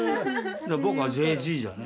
僕はＪＧじゃね。